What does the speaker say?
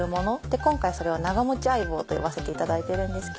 今回それを「長持ち相棒」と呼ばせていただいてるんですけど。